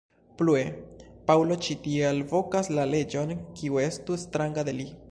Plue, Paŭlo ĉi tie alvokas la leĝon, kiu estu stranga de li.